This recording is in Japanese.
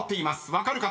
分かる方］